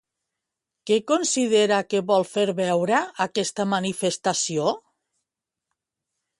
Què considera que vol fer veure aquesta manifestació?